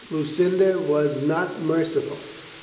Lucinda was not merciful